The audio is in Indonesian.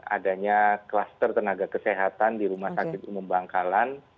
adanya kluster tenaga kesehatan di rumah sakit umum bangkalan